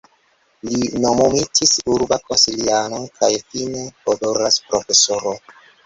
Li nomumitis urba konsiliano kaj fine orda profesoro.